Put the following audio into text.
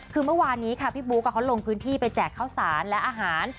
คือเมื่อวานนี้ค่ะพี่บุ๊คเขาลงพื้นที่ไปแจกข้าวสารและอาหาร